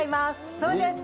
そうです